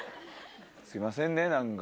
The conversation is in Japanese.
すいませんね何か。